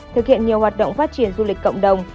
thực hiện nhiều hoạt động phát triển du lịch cộng đồng